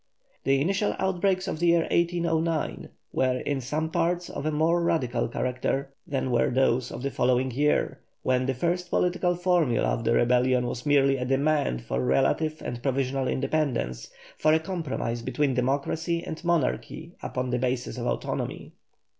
The initial outbreaks of the year 1809, were in some parts of a more radical character than were those of the following year, when the first political formula of the rebellion was merely a demand for relative and provisional independence, for a compromise between democracy and monarchy upon the basis of autonomy.